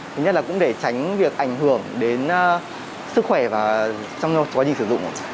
thứ nhất là cũng để tránh việc ảnh hưởng đến sức khỏe và trong quá trình sử dụng